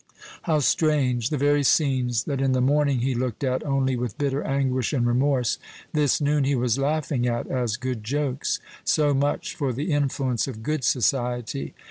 How strange! the very scenes that in the morning he looked at only with bitter anguish and remorse, this noon he was laughing at as good jokes so much for the influence of good society!